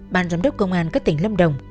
ban giám đốc công an các tỉnh lâm đồng